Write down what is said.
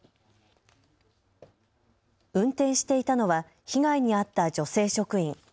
運転していたのは被害に遭った女性職員。